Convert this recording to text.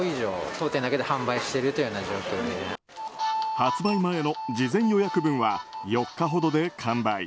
発売前の事前予約分は４日ほどで完売。